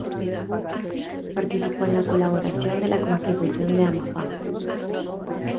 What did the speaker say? Participó en la colaboración de la Constitución de Amapá.